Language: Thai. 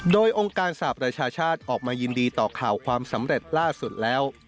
โดยองค์การสหประชาชาติออกมายินดีต่อข่าวความสำเร็จล่าสุดแล้ว